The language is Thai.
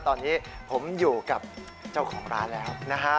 ตอนนี้ผมอยู่กับเจ้าของร้านแล้วนะฮะ